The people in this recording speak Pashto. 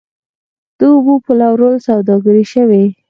د اوبو پلورل سوداګري شوې؟